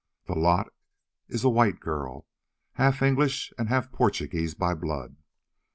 The lot is a white girl, half English and half Portuguese by blood.